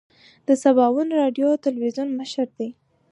د سباوون راډیو تلویزون مشر دی.